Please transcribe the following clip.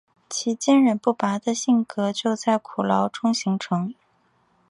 其坚忍不拔的性格就在苦牢中形成。